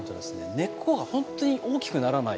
根っこが本当に大きくならない。